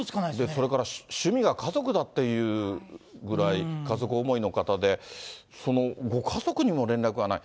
それから趣味が家族だっていうぐらい、家族思いの方で、ご家族にも連絡がない。